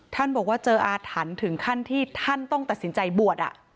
บอกว่าเจออาถรรพ์ถึงขั้นที่ท่านต้องตัดสินใจบวช